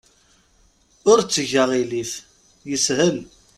Ur tteg aɣilif. Yeshel.